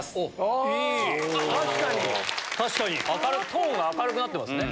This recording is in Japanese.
トーンが明るくなってますね。